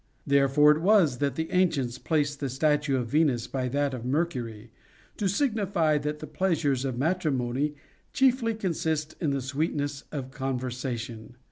Therefore it was that the ancients placed the statue of Venus by that of Mercury, to signify that the pleasures of matrimony chiefly consist in the sweetness of conversation.